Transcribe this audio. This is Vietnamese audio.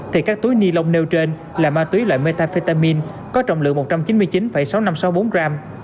thì các túi ni lông nêu trên là ma túy loại metafetamin có trọng lượng một trăm chín mươi chín sáu nghìn năm trăm sáu mươi bốn gram